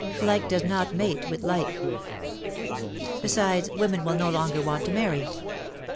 Like does not mate with like. Besides, women will no longer want to marry.